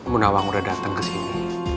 bunawang udah datang kesini